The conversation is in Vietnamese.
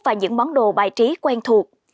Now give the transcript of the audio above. và những món đồ bài trí quen thuộc